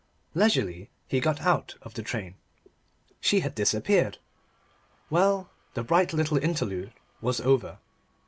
Leisurely he got out of the train. She had disappeared. Well the bright little interlude was over.